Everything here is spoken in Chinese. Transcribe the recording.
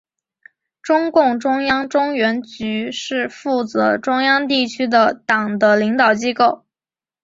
中共中央中原局是负责中央地区的党的领导机构。